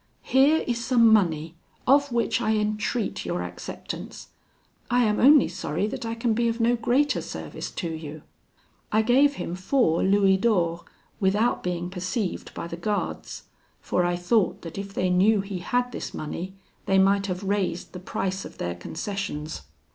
Here is some money, of which I entreat your acceptance: I am only sorry that I can be of no greater service to you." I gave him four louis d'ors without being perceived by the guards; for I thought that if they knew he had this money, they might have raised the price of their concessions.